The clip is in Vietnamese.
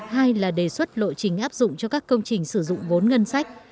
hai là đề xuất lộ trình áp dụng cho các công trình sử dụng vốn ngân sách